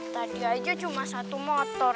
tadi aja cuma satu motor